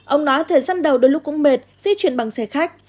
ông nói thời gian đầu đôi lúc cũng mệt di chuyển bằng xe khách